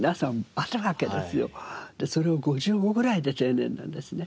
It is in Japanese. でそれを５５ぐらいで定年なんですね。